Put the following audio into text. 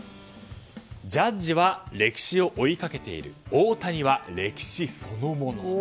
ジャッジは歴史を追いかけている大谷は歴史そのもの。